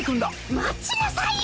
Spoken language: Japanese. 待ちなさいよ！